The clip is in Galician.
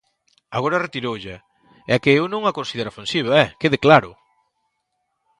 Agora retiroulla, é que eu non a considero ofensiva, ¡eh!, ¡Quede claro!